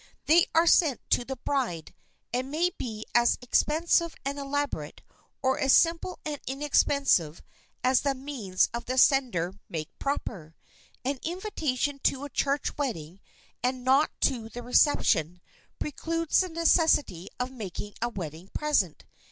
They are sent to the bride, and may be as expensive and elaborate, or as simple and inexpensive, as the means of the sender make proper. An invitation to a church wedding, and not to the reception, precludes the necessity of making a wedding present.